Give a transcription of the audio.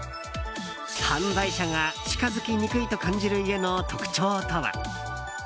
犯罪者が近づきにくいと感じる家の特徴とは？